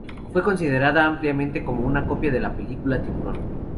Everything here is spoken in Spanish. Fue considerada ampliamente como una copia de la película "Tiburón".